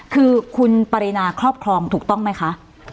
คือคุณปรินาครอบครองถูกต้องไหมคะ